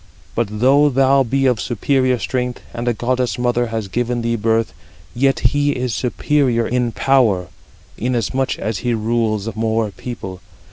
But though thou be of superior strength, and a goddess mother has given thee birth, yet he is superior in power, inasmuch as he rules more people.